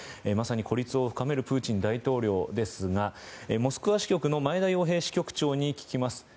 まさに孤立を深めるプーチン大統領ですがモスクワ支局の前田洋平支局長に聞きます。